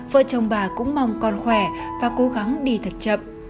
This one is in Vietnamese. vợ chồng bà cũng mong con khỏe và cố gắng đi thật chậm